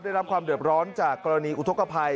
ได้รับความเดือดร้อนจากกรณีอุทธกภัย